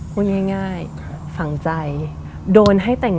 พูดง่ายฝังใจ